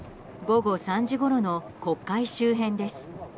午後３時ごろの国会周辺です。